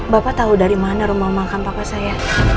bapak tahu dari mana rumah makan papa saya